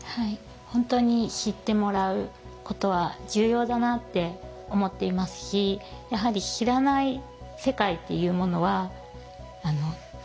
本当に知ってもらうことは重要だなって思っていますしやはり知らない世界っていうものは気付かないことにつながるんですよね。